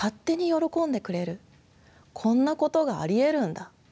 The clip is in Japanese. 「こんなことがありえるんだ」。